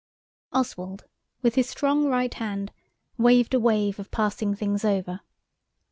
Oswald, with his strong right hand, waved a wave of passing things over.